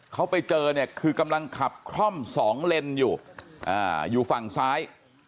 เขาไปเจอเนี่ยคือกำลังขับคล่อมสองเลนอยู่อยู่ฝั่งซ้าย